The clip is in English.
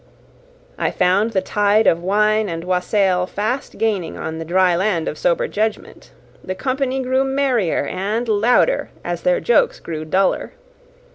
I found the tide of wine and wassail fast gaining on the dry land of sober judgment. The company grew merrier and louder as their jokes grew duller.